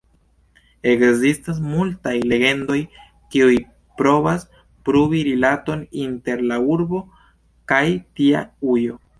Ekzistas multaj legendoj, kiuj provas pruvi rilaton inter la urbo kaj tia ujo.